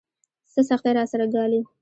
څه سختۍ راسره ګالي.